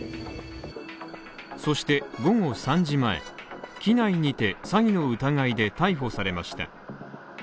そして午後３時前、機内にて詐欺の疑いで逮捕されました。